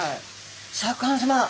シャーク香音さま